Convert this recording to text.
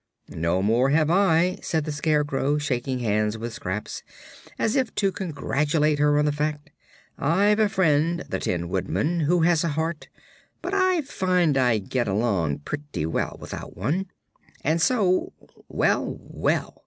"No more have I," said the Scarecrow, shaking hands with Scraps, as if to congratulate her on the fact. "I've a friend, the Tin Woodman, who has a heart, but I find I get along pretty well without one. And so Well, well!